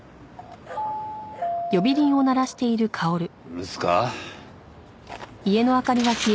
留守か？